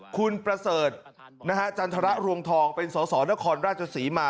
คุณประเสริฐจันทรรวงทองเป็นสสนครราชศรีมา